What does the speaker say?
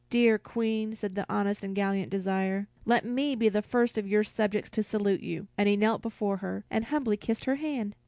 "Dear Queen," said the honest and gallant Desire, "let me be the first of your subjects to salute you." And he knelt before her, and humbly kissed her hand.